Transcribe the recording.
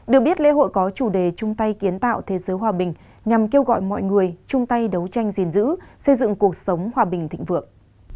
được biết lễ hội có chủ đề chung tay kiến tạo thế giới hòa bình nhằm kêu gọi mọi người chung tay đấu tranh gìn giữ xây dựng cuộc sống hòa bình thịnh vượng